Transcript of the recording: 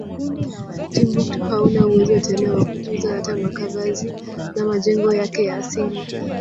Timbuktu hauna uwezo tena wakutunza hata makavazi na majengo yake ya asili